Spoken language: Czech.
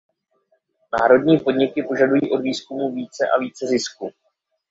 Nadnárodní podniky požadují od výzkumu více a více zisku.